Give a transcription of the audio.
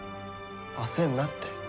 焦んなって。